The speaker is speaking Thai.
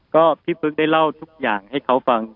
ก็พี่ฟึกได้เล่าทุกอย่างให้เขาฟัง